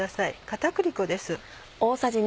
片栗粉です。